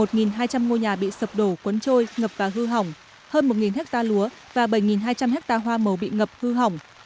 một trăm một mươi một hai trăm linh ngôi nhà bị sập đổ cuốn trôi ngập và hư hỏng hơn một ha lúa và bảy hai trăm linh ha hoa màu bị ngập hư hỏng